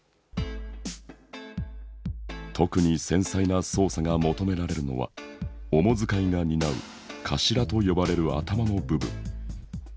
特に繊細な操作が求められるのは主遣いが担う首と呼ばれる頭の部分。